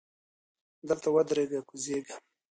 دلته ودریږه! کوزیږم.